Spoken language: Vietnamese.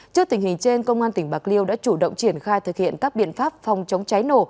trước tình hình trên công an tỉnh bạc liêu đã chủ động triển khai thực hiện các biện pháp phòng chống cháy nổ